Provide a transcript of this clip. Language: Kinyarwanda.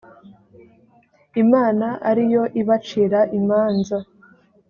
imana ari yo ibacira imanza